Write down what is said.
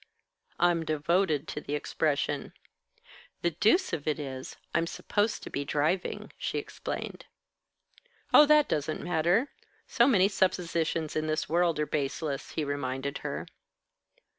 "I'm devoted to the expression." "The deuce of it is, I'm supposed to be driving," she explained. "Oh, that doesn't matter. So many suppositions in this world are baseless," he reminded her.